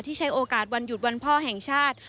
ใช้โอกาสวันหยุดวันพ่อแห่งชาติ